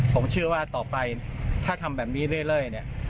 ผมเชื่อว่าต่อไปถ้าทำแบบนี้เรื่อยเนี่ย